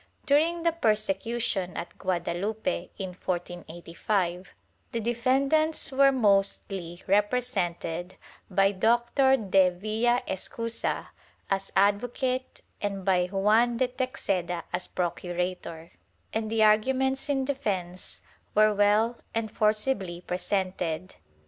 During the persecution at Guadalupe, in 1485, the defendants were mostly represented by Doctor de Villaescusa as advocate and by Juan de Texeda as procurator, and the arguments in defence were well and forcibly presented.